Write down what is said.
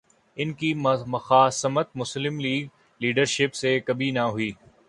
ان کی مخاصمت مسلم لیگ لیڈرشپ سے کبھی نہ رہی۔